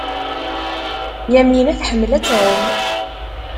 Yamina tḥemmel ad tɛum.